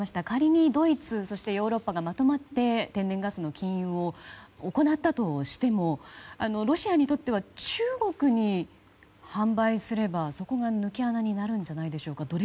仮に、ドイツそして、ヨーロッパがまとまって天然ガスの禁輸を行ったとしてもロシアにとっては中国に販売すればそこが抜け穴になるんじゃないでしょうか。